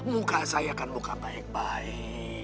muka saya akan muka baik baik